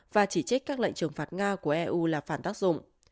và chỉ trích các lệnh trừng phạt nga của eu là phản tác dụng